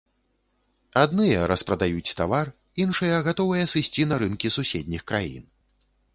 Адныя распрадаюць тавар, іншыя гатовыя сысці на рынкі суседніх краін.